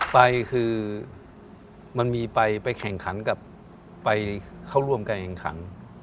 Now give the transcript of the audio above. ไปคือมันมีไปแข่งขันกับไปเข้าร่วมการแข่งขัน